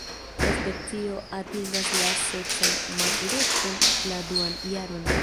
La specio atingas la seksan maturecon la duan jaron.